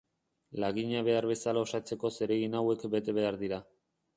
Lagina behar bezala osatzeko zeregin hauek bete behar dira.